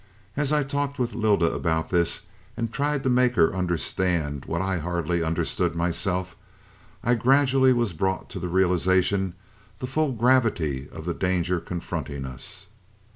"And as I talked with Lylda about this and tried to make her understand what I hardly understood myself, I gradually was brought to realize the full gravity of the danger confronting us.